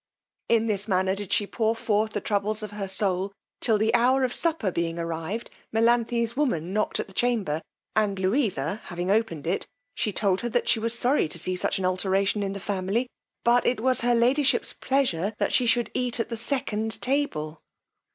In this manner did she pour forth the troubles of her soul, till the hour of supper being arrived, Melanthe's woman knocked at the chamber, and Louisa having opened it, she told her that she was sorry to see such an alteration in the family, but it was her ladyship's pleasure that she should eat at the second table.